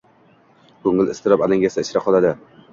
ko'ngil iztirob alangasi ichra qoladi...